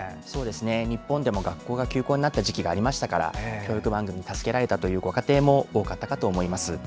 日本でも学校が休校になった時期がありましたから教育番組に助けられたご家庭も多かったかと思います。